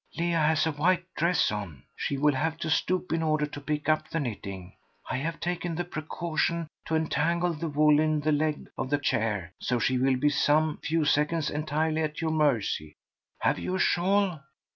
Leah has a white dress on. She will have to stoop in order to pick up the knitting. I have taken the precaution to entangle the wool in the leg of the chair, so she will be some few seconds entirely at your mercy. Have you a shawl?"